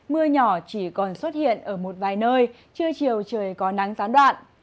mưa nhỏ chỉ còn xuất hiện ở một vài nơi trưa chiều trời có nắng gián đoạn